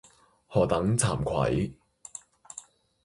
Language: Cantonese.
何等慚愧。